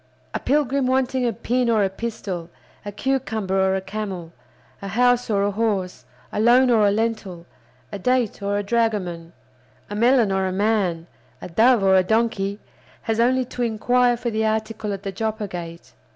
A pilgrim wanting a pin or a pistol, a cucumber or a camel, a house or a horse, a loan or a lentil, a date or a dragoman, a melon or a man, a dove or a donkey, has only to inquire for the article at the Joppa Gate.